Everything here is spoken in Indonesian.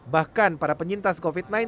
bahkan para penyintas covid sembilan belas